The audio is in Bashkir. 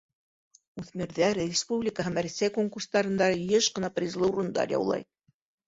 Үҫмерҙәр республика һәм Рәсәй конкурстарында йыш ҡына призлы урындар яулай.